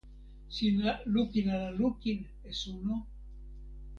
sina lukin ala lukin e suno?